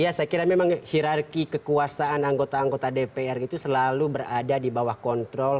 ya saya kira memang hirarki kekuasaan anggota anggota dpr itu selalu berada di bawah kontrol